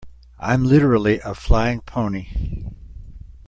I'm literally a flying pony.